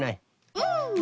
うん！